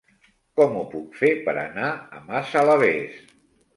Com ho puc fer per anar a Massalavés?